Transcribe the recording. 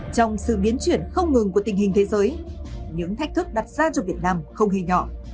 trong sự biến chuyển không ngừng của tình hình thế giới những thách thức đặt ra cho việt nam không hề nhỏ